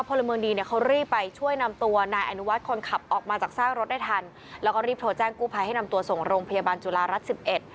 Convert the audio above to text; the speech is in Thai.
พลเมืองดีเนี่ยเขารีบไปช่วยนำตัวนายอนุวัฒน์คนขับออกมาจากซากรถได้ทันแล้วก็รีบโทรแจ้งกู้ภัยให้นำตัวส่งโรงพยาบาลจุฬารัฐสิบเอ็ด